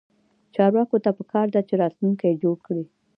چارواکو ته پکار ده چې، راتلونکی جوړ کړي